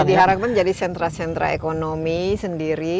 jadi harapan jadi sentra sentra ekonomi sendiri